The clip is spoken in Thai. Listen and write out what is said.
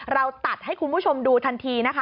เราตัดให้คุณผู้ชมดูทันทีนะคะ